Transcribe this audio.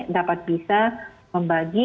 dapat bisa membagi